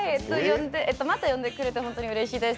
また呼んでくれて本当にうれしいです。